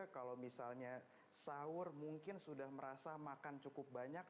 kalau misalnya sahur mungkin sudah merasa makan cukup banyak